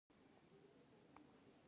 هغه پانګوال چې د څرمن جوړونې کارخانه لري